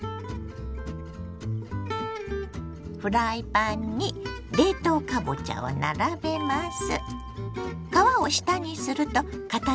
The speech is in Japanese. フライパンに冷凍かぼちゃを並べます。